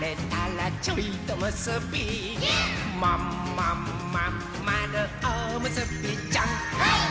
「まんまんまんまるおむすびちゃん」はいっ！